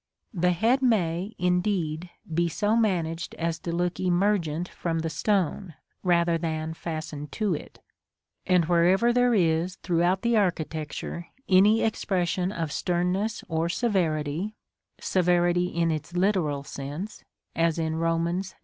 The head may, indeed, be so managed as to look emergent from the stone, rather than fastened to it; and wherever there is throughout the architecture any expression of sternness or severity (severity in its literal sense, as in Romans, XI.